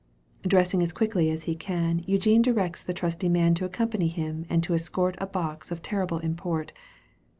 Dressing as quickly as he can, Eugene directs the trusty man To accompany him and to escort A box of terrible import.